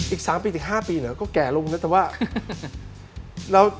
อีก๓ปีอีก๕ปีเนี่ยก็แก่ลงนะแต่ว่า